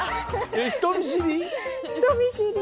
人見知り？